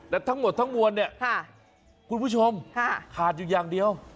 แต่ทั้งหมดทั้งมวลเนี่ยคุณผู้ชมขาดอยู่อย่างเดียว